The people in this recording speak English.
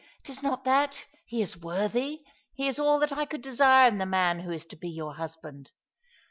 It is not that. He is worthy. He is all that I could desire in the man who is to be your husband.